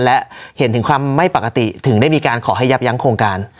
และเห็นถึงความไม่ปกติถึงได้มีการขอให้ยับยั้งโครงการ